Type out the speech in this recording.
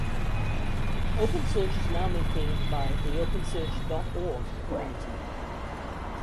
OpenSearch is now maintained by the OpenSearch dot org community.